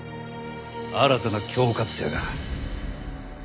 新たな恐喝者が。